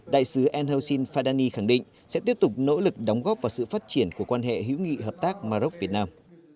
đại sứ enelsin fadani khẳng định sẽ tiếp tục nỗ lực đóng góp vào sự phát triển của quan hệ hữu nghị hợp tác maroc việt nam